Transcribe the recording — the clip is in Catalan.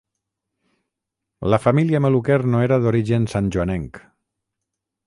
La família Maluquer no era d'origen santjoanenc.